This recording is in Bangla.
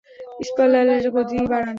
ইম্প্যালারের গতি বাড়ান।